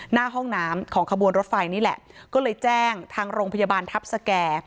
หน้าห้องน้ำของขบวนรถไฟนี่แหละก็เลยแจ้งทางโรงพยาบาลทัพสแก่